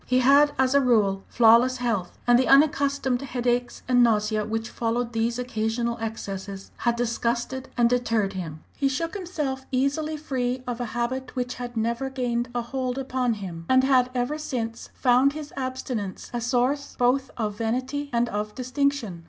He had, as a rule, flawless health; and the unaccustomed headaches and nausea which followed these occasional excesses had disgusted and deterred him. He shook himself easily free of a habit which had never gained a hold upon him, and had ever since found his abstinence a source both of vanity and of distinction.